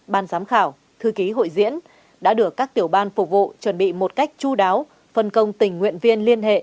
ban giám khảo thư ký hội diễn đã được các tiểu ban phục vụ chuẩn bị một cách chú đáo phân công tình nguyện viên liên hệ